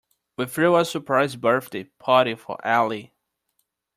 We threw a surprise birthday party for Ali.